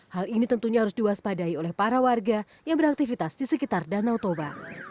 hal ini tentunya harus diwaspadai oleh para warga yang beraktivitas di sekitar danau toba